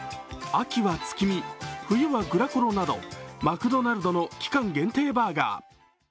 秋は「月見」、冬は「グラコロ」などマクドナルドの期間限定バーガー。